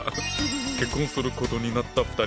結婚することになった２人。